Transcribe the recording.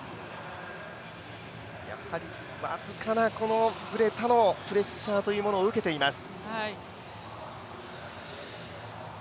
やはり僅かなブレタのプレッシャーを受けています。